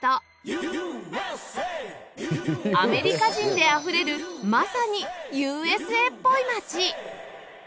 アメリカ人であふれるまさに ＵＳＡ っぽい町